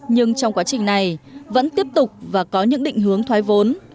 nhưng trong quá trình này vẫn tiếp tục và có những định hướng thoái vốn